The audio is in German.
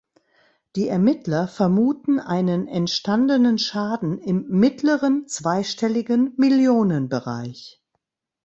Die Ermittler vermuten einen entstandenen Schaden im „mittleren zweistelligen Millionenbereich“.